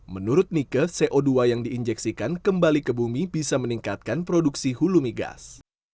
menurut nike co dua yang diinjeksikan kembali ke bumi bisa meningkatkan produksi hulu migas